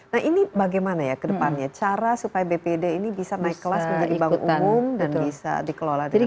nah ini bagaimana ya ke depannya cara supaya bpd ini bisa naik kelas menjadi bank umum dan bisa dikelola dengan baik